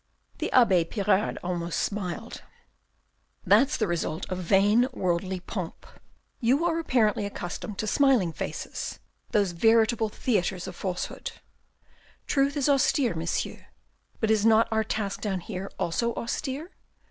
The abbe Pirard almost smiled. "That's the result of vain worldly pomp. You are apparently accustomed to smiling faces, those veritable theatres of falsehood. Truth is austere, Monsieur, but is not our task down here also austere